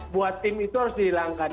buat tim itu harus dihilangkan